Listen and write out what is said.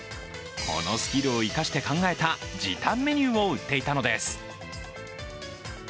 このスキルを生かして考えた時短メニューを売っていたのです。